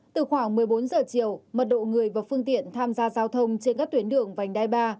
từ khoảng một mươi bốn giờ chiều mật độ người và phương tiện tham gia giao thông trên các tuyến đường vành đai ba